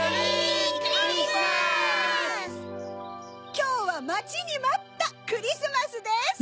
きょうはまちにまったクリスマスです！